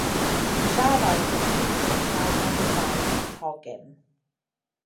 Tra yr oedd hyn yn digwydd, galwodd y wraig ar yr hogyn.